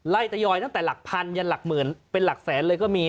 ตะยอยตั้งแต่หลักพันยันหลักหมื่นเป็นหลักแสนเลยก็มี